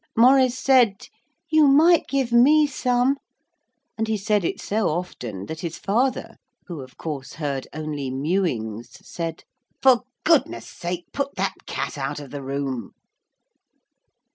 Maurice said, 'You might give me some,' and he said it so often that his father, who, of course, heard only mewings, said: 'For goodness' sake put that cat out of the room.'